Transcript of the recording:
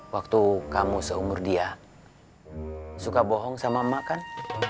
waktu kamu seumur dia suka bohong sama emak kan